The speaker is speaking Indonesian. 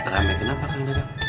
rame kenapa kan dedek